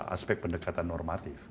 aspek pendekatan normatif